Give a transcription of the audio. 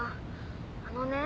あのね。